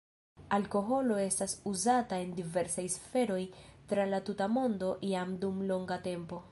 Alkoholo estas uzata en diversaj sferoj tra la tuta mondo jam dum longa tempo.